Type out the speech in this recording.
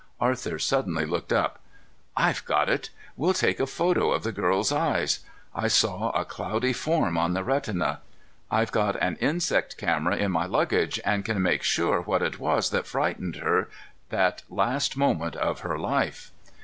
Arthur suddenly looked up. "I've got it! We'll take a photo of the girl's eyes. I saw a cloudy form on the retina. I've got an insect camera in my luggage, and can make sure what it was that frightened her that last moment of her life."